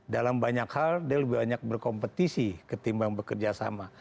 dalam banyak hal dia lebih banyak berkompetisi ketimbang bekerja sama